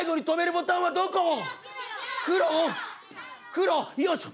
黒よいしょ！